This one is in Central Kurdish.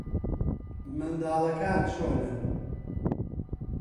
منداڵەکان چۆنن؟